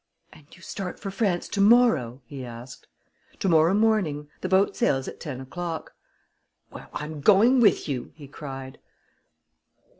"And you start for France to morrow?" he asked. "To morrow morning the boat sails at ten o'clock." "Well, I'm going with you!" he cried.